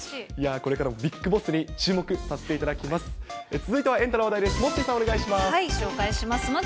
これからもビッグボスに注目させていただきます。